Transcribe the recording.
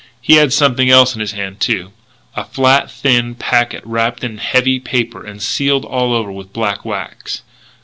He had something else in his hand, too, a flat, thin packet wrapped in heavy paper and sealed all over with black wax.